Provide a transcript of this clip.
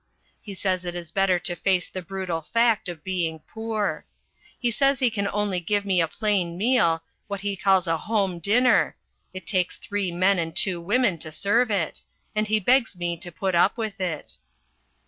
He says it is better to face the brutal fact of being poor. He says he can only give me a plain meal, what he calls a home dinner it takes three men and two women to serve it and he begs me to put up with it.